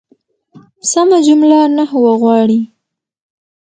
سمه جمله نحوه غواړي.